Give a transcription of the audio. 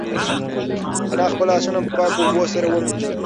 انا خپل لاسونه په پاکو اوبو سره ومینځل.